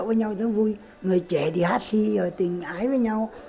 gặp nhau vui người trẻ đi hát thi rồi tình ái với nhau